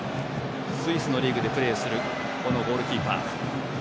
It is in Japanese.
スイスのリーグでプレーするこのゴールキーパー。